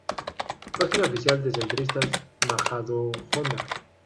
Página oficial de Centristas Majadahonda